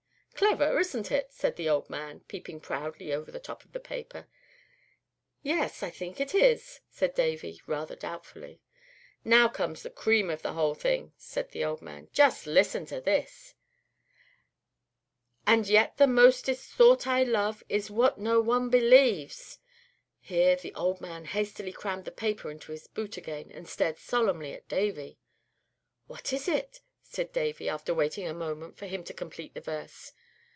_ "Clever, isn't it?" said the old man, peeping proudly over the top of the paper. "Yes, I think it is," said Davy, rather doubtfully. "Now comes the cream of the whole thing," said the old man. "Just listen to this:" _And yet the mostest thought I love Is what no one believes _ Here the old man hastily crammed the paper into his boot again, and stared solemnly at Davy. "What is it?" said Davy, after waiting a moment for him to complete the verse.